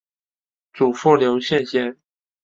祖父刘敬先。